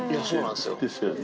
ですよね。